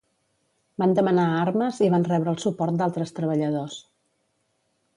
Van demanar armes i van rebre el suport d'altres treballadors.